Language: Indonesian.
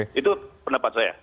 itu pendapat saya